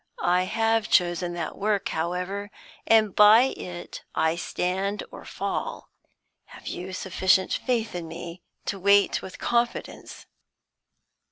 I have chosen that work, however, and by it I stand or fall. Have you sufficient faith in me to wait with confidence?"